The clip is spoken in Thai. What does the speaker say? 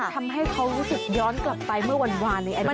ทำให้เขารู้สึกย้อนกลับไปเมื่อวานในอดีต